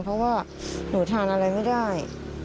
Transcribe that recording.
เพราะว่าหนูทานอะไรไม่ได้